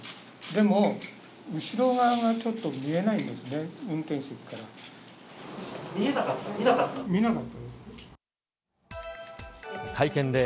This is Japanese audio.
でも、後ろ側はちょっと見えないですね、運転席からは。